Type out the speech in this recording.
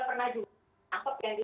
perhubungan yang dilakukan secara